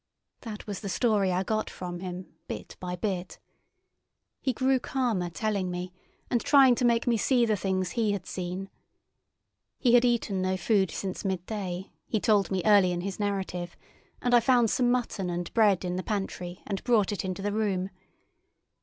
That was the story I got from him, bit by bit. He grew calmer telling me and trying to make me see the things he had seen. He had eaten no food since midday, he told me early in his narrative, and I found some mutton and bread in the pantry and brought it into the room.